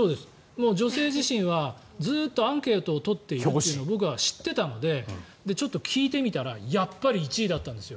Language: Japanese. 「女性自身」はずっとアンケートを取っているのを僕は知ってたのでちょっと聞いてみたらやっぱり１位だったんですよ